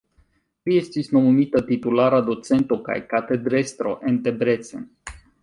Li estis nomumita titulara docento kaj katedrestro en Debrecen.